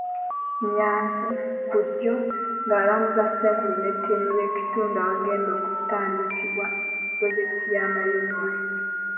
Nyanzi ( ku ddyo) nga alambuza Ssenkulu ne ttiimu ye ekitundu awagenda okutandikibwa pulojekiti y’amayumba.